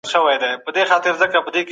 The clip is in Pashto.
دري ژبې د هند په دربارونو کي څه مقام درلود؟